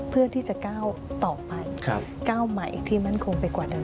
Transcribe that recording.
เพื่อที่จะก้าวต่อไปก้าวใหม่ที่มั่นคงไปกว่าเดิม